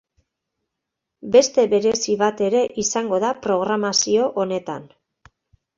Beste berezi bat ere izango da programazio honetan.